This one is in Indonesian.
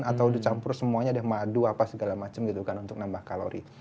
atau dicampur semuanya ada madu apa segala macam gitu kan untuk nambah kalori